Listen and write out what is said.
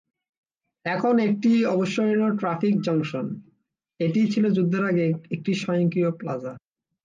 এখন একটি অবিস্মরণীয় ট্র্যাফিক জংশন, এটি ছিল যুদ্ধের আগে একটি সক্রিয় প্লাজা।